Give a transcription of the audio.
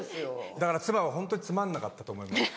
だから妻はホントつまんなかったと思います。